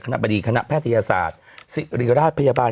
บดีคณะแพทยศาสตร์ศิริราชพยาบาล